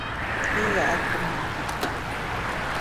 I ya’kù mobifon.